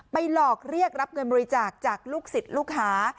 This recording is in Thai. หลอกเรียกรับเงินบริจาคจากลูกศิษย์ลูกหา